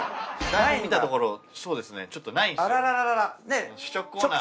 台本見たところそうですねちょっとないんですよ。